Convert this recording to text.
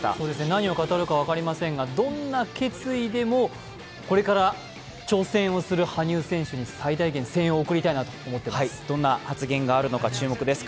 何を語るか分かりませんがどんな決意でもこれから挑戦をする羽生選手に最大限声援を送りたいなと思っています。